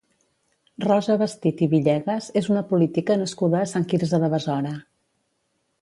Rosa Vestit i Villegas és una política nascuda a Sant Quirze de Besora.